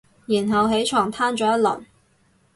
然後喺床攤咗一輪